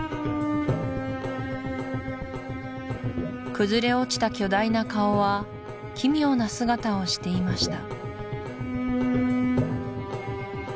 崩れ落ちた巨大な顔は奇妙な姿をしていました